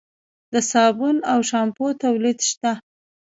د صابون او شامپو تولید شته؟